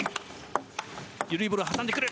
緩いボールを挟んでくる。